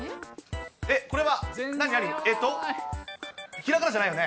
これは。